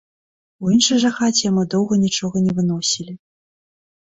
У іншай жа хаце яму доўга нічога не выносілі.